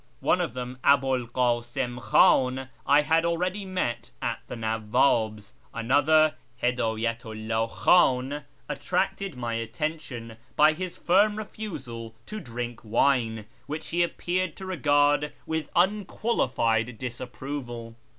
One of them, Abii'l Kasim Khan, I had already met at the Nawwab's ; another, Hidayatu 'llah Khan, attracted my atten jtion by his firm refusal to drink wine, which he appeared to regard with unqualified disapproval.